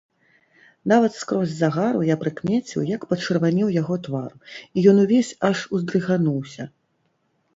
Нават скрозь загару я прыкмеціў, як пачырванеў яго твар, і ён увесь аж уздрыгануўся.